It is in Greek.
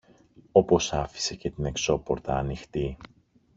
Όπως άφησε και την εξώπορτα ανοιχτή